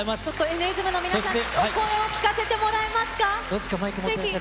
Ｎ’ｉｓｍの皆さん、お声を聞かせていただけますか。